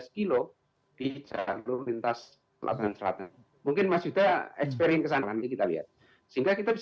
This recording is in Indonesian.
satu ratus enam belas kilo di jalur lintas pelabuhan selatan mungkin mas yuda experience kesana kita lihat sehingga kita